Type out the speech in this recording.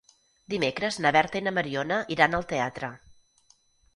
Dimecres na Berta i na Mariona iran al teatre.